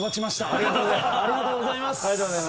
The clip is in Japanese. ありがとうございます。